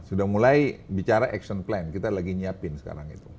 sudah mulai bicara action plan kita lagi nyiapin sekarang itu